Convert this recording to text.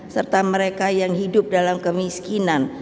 serta mereka yang hidup dalam kemiskinan